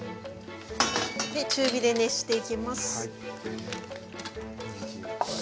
で中火で熱していきます。